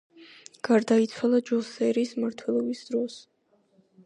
გარდაიცვალა ჯოსერის მმართველობის დროს.